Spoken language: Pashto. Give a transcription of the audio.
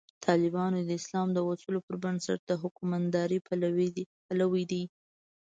طالبان د اسلام د اصولو پر بنسټ د حکومتدارۍ پلوي دي.